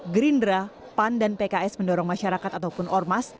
gerindra pan dan pks mendorong masyarakat ataupun ormas